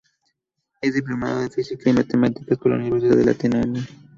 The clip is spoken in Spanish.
Es diplomado en Física y Matemáticas por la Universidad de Letonia.